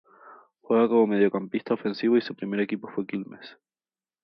Juega como mediocampista ofensivo y su primer equipo fue Quilmes.